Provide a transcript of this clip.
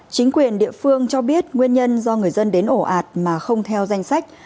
chính quyền địa phương cho biết nguyên nhân do người dân đến ổ ạt mà không theo danh sách